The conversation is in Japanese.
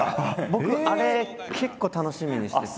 僕あれ結構楽しみにしてて。